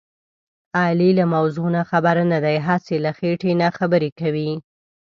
علي له موضوع خبر نه دی. هسې له خېټې نه خبرې کوي.